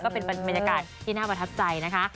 เป็นบรรยากาศที่น่าประทับใจนะคะ